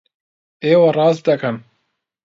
ئێوە ڕاست دەکەن!